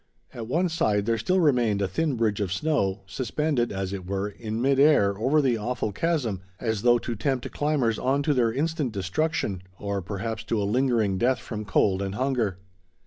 At one side there still remained a thin bridge of snow, suspended, as it were, in mid air over the awful chasm, as though to tempt climbers on to their instant destruction, or perhaps to a lingering death from cold and hunger.